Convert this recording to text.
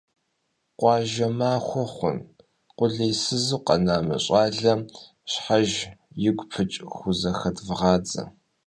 - Къуажэ махуэ хъун, къулейсызу къэна мы щӀалэм щхьэж игу пыкӀ хузэхэдвгъадзэ! –.